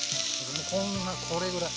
もうこんなこれぐらい。